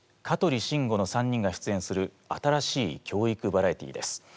香取慎吾の３人が出演する新しい教育バラエティーです。